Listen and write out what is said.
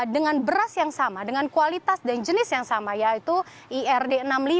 dengan beras yang sama dengan kualitas dan jenis yang sama yaitu ird enam puluh lima